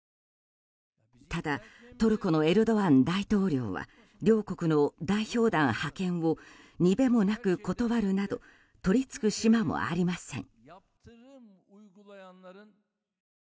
ただトルコのエルドアン大統領は両国の代表団派遣をにべもなく断るなど取りつく島もありません。